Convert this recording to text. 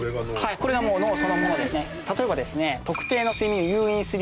これがもう脳そのものですね。